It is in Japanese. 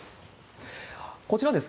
こちらです。